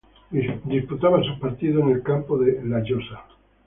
Disputaba sus partidos en el campo de "La Llosa".